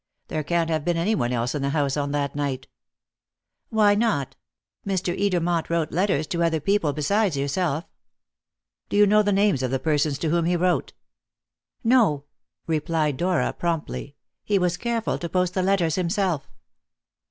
There can't have been anyone else in the house on that night." "Why not? Mr. Edermont wrote letters to other people besides yourself." "Do you know the names of the persons to whom he wrote?" "No," replied Dora promptly; "he was careful to post the letters himself."